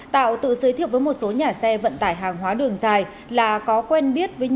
tạo tự giới thiệu với một số nhà xe vận tải hàng hóa đường dài là có quen biết với những